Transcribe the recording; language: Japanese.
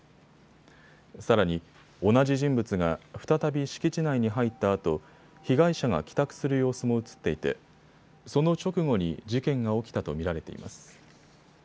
さらに、同じ人物が再び敷地内に入ったあと被害者が帰宅する様子も写っていてその直後に事件が起きたと見られています。